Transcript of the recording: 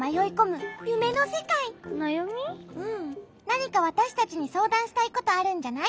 なにかわたしたちにそうだんしたいことあるんじゃない？